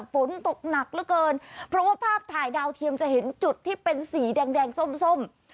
ฝนตกหนักเหลือเกินเพราะว่าภาพถ่ายดาวเทียมจะเห็นจุดที่เป็นสีแดงแดงส้ม